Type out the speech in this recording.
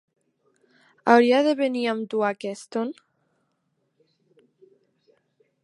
Hauria de venir amb tu a Keston?